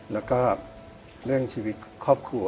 แล้วก็เรื่องชีวิตครอบครัว